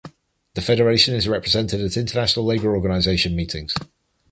The federation is represented at International Labour Organization meetings.